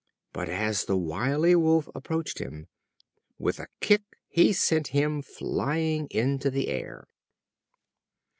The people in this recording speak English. But as the wily Wolf approached him, with a kick he sent him flying into the air.